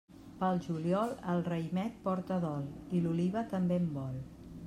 Pel juliol, el raïmet porta dol, i l'oliva també en vol.